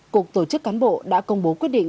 cục tổ chức cán bộ đã công bố quyết định